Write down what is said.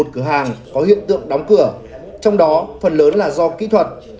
một mươi một cửa hàng có hiện tượng đóng cửa trong đó phần lớn là do kỹ thuật